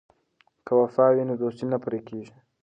که وفا وي نو دوستي نه پرې کیږي.